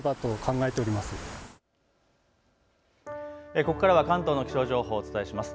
ここからは関東の気象情報をお伝えします。